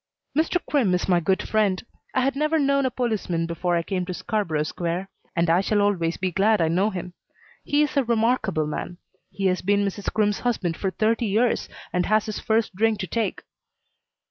Mr. Crimm is my good friend. I had never known a policeman before I came to Scarborough Square, but I shall always be glad I know him. He is a remarkable man. He has been Mrs. Crimm's husband for thirty years and has his first drink to take.